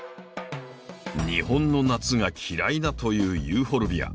日本の夏が嫌いだというユーフォルビア。